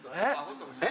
えっ？